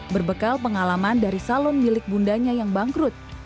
berbekal pengalaman dari salon milik bundanya yang bangkrut